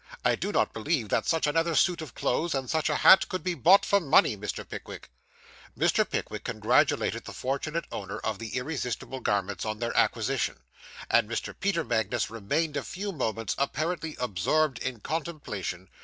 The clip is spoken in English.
I do not believe that such another suit of clothes, and such a hat, could be bought for money, Mr. Pickwick.' Mr. Pickwick congratulated the fortunate owner of the irresistible garments on their acquisition; and Mr. Peter Magnus remained a few moments apparently absorbed in contemplation.